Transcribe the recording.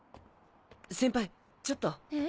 先輩ちょっと。え？